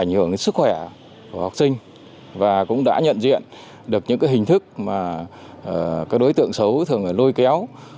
ảnh hưởng đến sức khỏe của học sinh và cũng đã nhận diện được những hình thức mà các đối tượng xấu thường lôi kéo